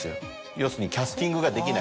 要するにキャスティングができない。